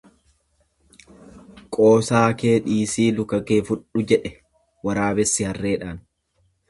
Qoosaa kee dhiisii luka kee fudhu jedhe, waraabessi harreedhaan.